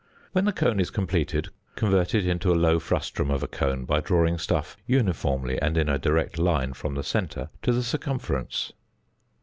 When the cone is completed, convert it into a low frustrum of a cone by drawing stuff uniformly and in a direct line from the centre to the circumference.